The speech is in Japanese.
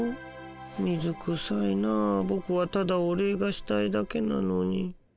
水くさいなあボクはただお礼がしたいだけなのに。